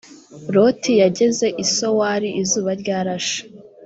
loti yageze i sowari izuba ryarashe